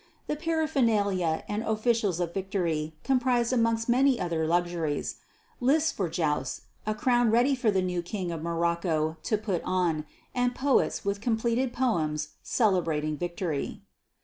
The paraphernalia and officials of victory comprised amongst many other luxuries: lists for jousts, a crown ready for the new King of Morocco to put on, and poets with completed poems celebrating victory.